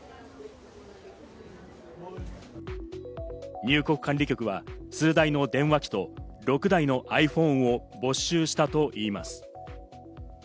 入国管理局は数台の電話機と６台のｉＰｈｏｎｅを没収したといいます。